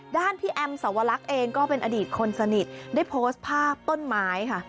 พี่แอมสวรรคเองก็เป็นอดีตคนสนิทได้โพสต์ภาพต้นไม้ค่ะ